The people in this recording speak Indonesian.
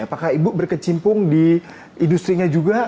apakah ibu berkecimpung di industri nya juga